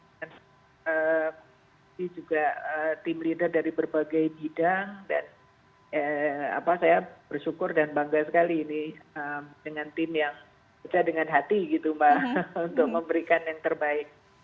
ini juga tim leader dari berbagai bidang dan saya bersyukur dan bangga sekali ini dengan tim yang percaya dengan hati gitu mbak untuk memberikan yang terbaik